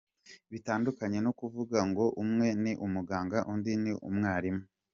Bitandukanye no kuvuga ngo umwe ni umuganga undi ni umwarimu.